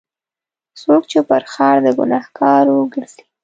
څوک چې پر ښار د ګناهکارو ګرځي.